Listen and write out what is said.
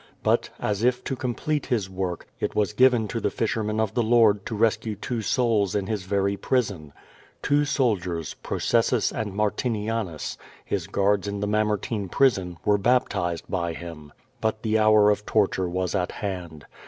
But, as if to complete his work, it was given to the fisherman of the Lord to rescue two souls in his very prison. Two soldiers. Pro cessus and Martinianus, his guards in the Mamertine prison, were baptized by him. But the hour of torture was at hand.